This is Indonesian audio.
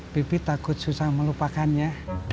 pipit takut susah melupakannya